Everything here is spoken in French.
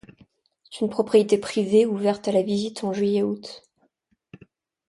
C'est une propriété privée ouverte à la visite en juillet-août.